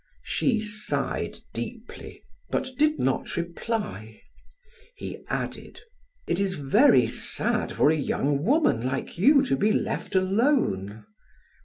She sighed deeply, but did not reply. He added: "It is very sad for a young woman like you to be left alone."